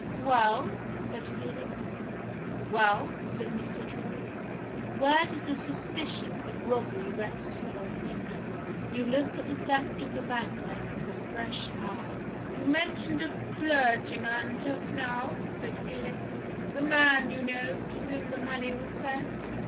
"Well?" said Felix. "Well?" said Mr. Troy. "Where does the suspicion of robbery rest in your opinion? You look at the theft of the bank note with a fresh eye." "You mentioned a clergyman just now," said Felix. "The man, you know, to whom the money was sent.